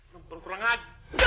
nontor kurang aja